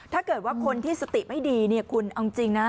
ถ้าเกิดว่าคนที่สติไม่ดีเนี่ยคุณเอาจริงนะ